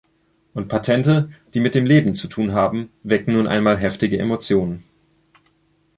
Und Patente, die mit dem Leben zu tun haben, wecken nun einmal heftige Emotionen.